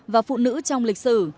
và phụ nữ trong lịch sử